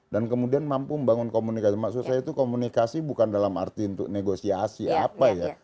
dan kemudian mampu membangun komunikasi maksud saya itu komunikasi bukan dalam arti untuk negosiasi apa ya